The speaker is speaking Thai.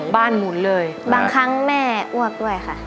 หมุนเลยบางครั้งแม่อ้วกด้วยค่ะ